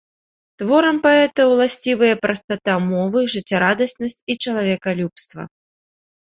Творам паэта ўласцівыя прастата мовы, жыццярадаснасць і чалавекалюбства.